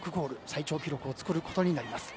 最長記録を作ることになります。